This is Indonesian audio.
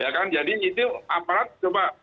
ya kan jadi itu aparat coba